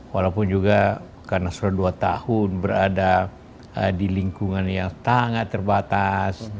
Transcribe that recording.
walaupun juga karena sudah dua tahun berada di lingkungan yang sangat terbatas